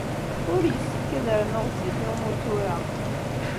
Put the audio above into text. Ur yessefk ad rnuɣ zzit i umutur-a.